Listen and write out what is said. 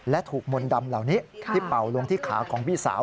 และถูกมนต์ดำเหล่านี้ที่เป่าลงที่ขาของพี่สาว